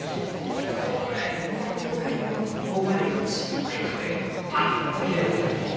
このくらいのこのくらいの５枚のちんまい花弁がパッと開いて咲くきね。